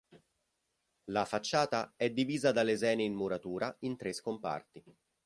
La facciata è divisa da lesene in muratura in tre scomparti.